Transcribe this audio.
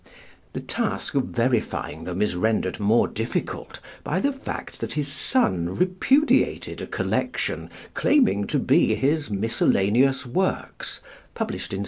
The task of verifying them is rendered more difficult by the fact that his son repudiated a collection claiming to be his 'Miscellaneous Works,' published in 1750.